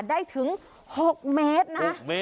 ได้ถึง๖เมตรนะ